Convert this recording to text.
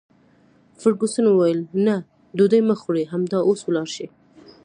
فرګوسن وویل: نه، ډوډۍ مه خورئ، همدا اوس ولاړ شئ.